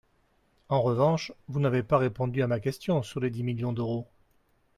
En revanche, vous n’avez pas répondu à ma question sur les dix millions d’euros.